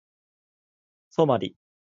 ソマリ